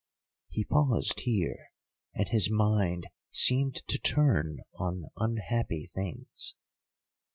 He paused here, and his mind seemed to turn on unhappy things.